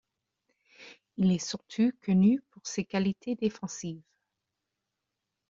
Il est surtout connu pour ses qualités défensives.